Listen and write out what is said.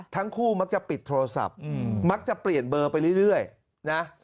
ทั้งคู่มักจะปิดโทรศัพท์มักจะเปลี่ยนเบอร์ไปเรื่อยนะ